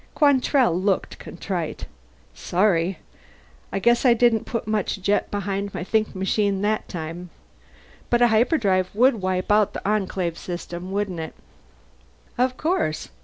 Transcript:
Quantrell looked contrite. "Sorry. Guess I didn't put much jet behind my think machine that time. But a hyperdrive would wipe out the Enclave system, wouldn't it?" "Of course!